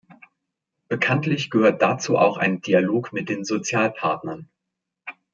Bekanntlich gehört dazu auch ein Dialog mit den Sozialpartnern.